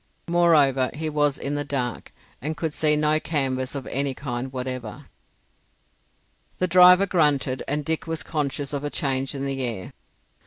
Moreover, he was in the dark, and could see no canvas of any kind whatever. The driver grunted, and Dick was conscious of a change in the air.